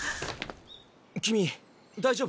君大丈夫？